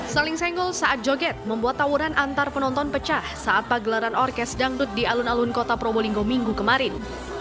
saling senggol saat joget membuat tawuran antar penonton pecah saat pagelaran orkes dangdut di alun alun kota probolinggo minggu kemarin